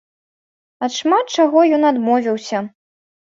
Ад шмат чаго ён адмовіўся.